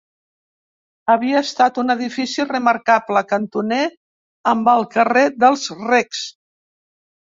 Havia estat un edifici remarcable, cantoner amb el carrer dels Recs.